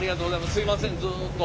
すいませんずっと。